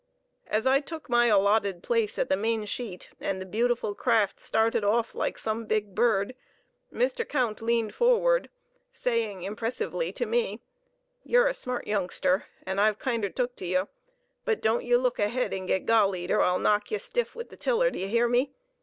As I took my allotted place at the main sheet, and the beautiful craft started off like some big bird, Mr. Count leaned forward, saying impressively to me, "Y'r a smart youngster, an' I've kinder took t' yer; but don't ye look ahead an' get gallied, 'r I'll knock ye stiff wi' th' tiller; y'hear me?